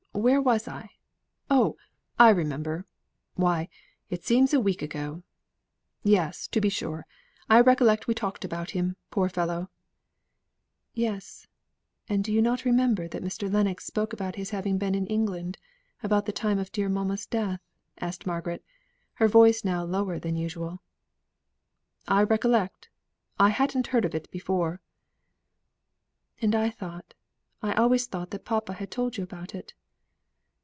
Where was I? Oh, I remember! Why, it seems a week ago. Yes, to be sure, I recollect we talked about him, poor fellow." "Yes and do you remember that Mr. Lennox spoke about his having been in England about the time of dear mamma's death?" asked Margaret, her voice now lower than usual. "I recollect. I hadn't heard of it before." "And I thought I always thought that papa had told you about it."